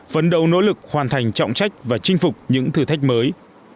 phấn đấu nỗ lực hoàn thành trọng trách và chinh phục những thử thách mới